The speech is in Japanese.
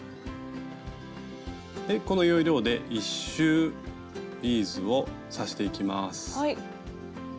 この要領で１周ビーズを刺していきます。